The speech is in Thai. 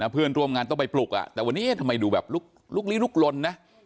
เพื่อนร่วมงานต้องไปปลุกแต่วันนี้ทำไมดูแบบลุกลี้ลุกลนนะ